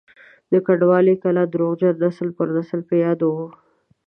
د کنډوالې کلا درواغجن نسل پر نسل په یادو وو.